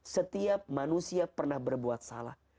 setiap manusia pernah berbuat salah